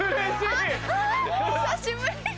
久しぶり。